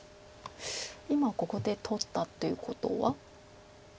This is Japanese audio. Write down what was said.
今ここで取ったということは。